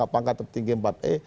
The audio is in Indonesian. pangkat tertinggi empat e